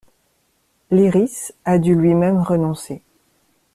Lyrisse a dû lui-même renoncer.